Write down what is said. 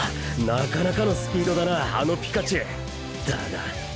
なかなかのスピードだなあのピカチュウ。だが。